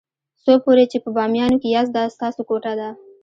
څو پورې چې په بامیانو کې یاست دا ستاسو کوټه ده.